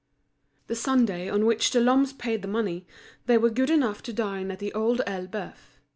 The Sunday on which the Lhommes paid the money, they were good enough to dine at The Old Elbeuf.